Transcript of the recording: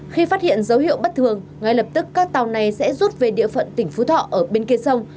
khi phát hiện dấu hiệu bất thường ngay lập tức các tàu này sẽ rút về địa phận tỉnh phú thọ ở bên kia sông